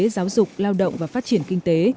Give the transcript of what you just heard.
giáo dục lao động và phát triển kinh tế